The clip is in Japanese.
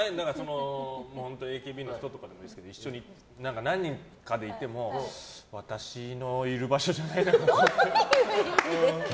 ＡＫＢの人とかと一緒に何人かでいても私のいる場所じゃないって。